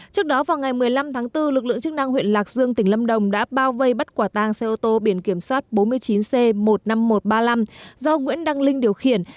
trước đó vào ngày một mươi năm tháng bốn lực lượng chức năng huyện lạc dương tỉnh lâm đồng đã bao vây bắt quả tang xe ô tô biển kiểm soát bốn mươi chín c một mươi năm nghìn một trăm ba mươi năm do nguyễn đăng linh điều khiển